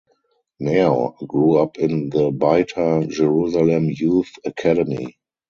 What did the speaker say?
Naor grew up in the Beitar Jerusalem youth academy.